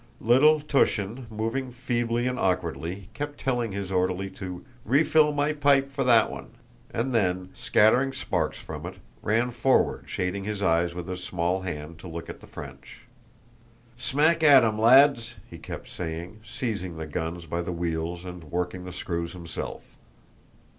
Little Túshin, moving feebly and awkwardly, kept telling his orderly to "refill my pipe for that one!" and then, scattering sparks from it, ran forward shading his eyes with his small hand to look at the French. "Smack at 'em, lads!" he kept saying, seizing the guns by the wheels and working the screws himself.